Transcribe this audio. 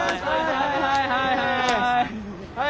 はいはいはいはいはい。